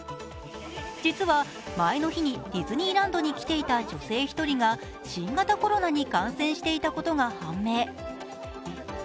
実は前の日にディズニーランドに来ていた女性１人が新型コロナに感染していたことが判明。